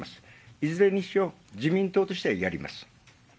いずれにしろ自民党としてはやります。